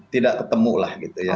tidak ketemu lah gitu ya